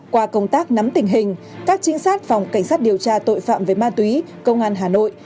qua công tác nắm tình hình các trinh sát phòng cảnh sát điều tra tội phạm về ma túy công an hà nội